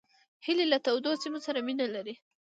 هیلۍ له تودو سیمو سره مینه لري